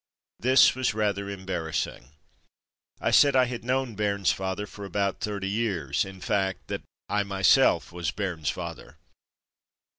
'' This was rather em barrassing. I said I had known Bairns father for about thirty years, in fact that I myself was Bairnsfather.